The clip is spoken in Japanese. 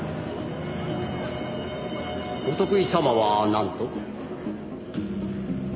「お得意様はなんと？」